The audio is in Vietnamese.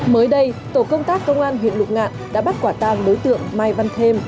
mới đây tổ công tác công an huyện lục ngạn đã bắt quả tang đối tượng mai văn thêm